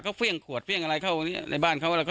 เขาเฟี่ยงขวดเฟี่ยงอะไรเข้าในบ้านเขา